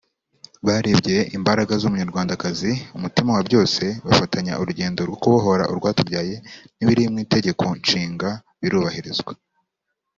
Barebye imbaraga z’umunyarwandakazi umutima wa byose bafatanya urugendo rwo kubohora urwatubyaye n’ibiri mu Itegeko Nshinga birubahirizwa